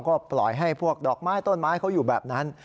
ก็ปล่อยให้พวกดอกไม้ต้นไม้เขาอยู่แบบนั้น